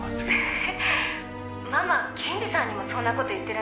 「えママ検事さんにもそんな事言ってるんですか？」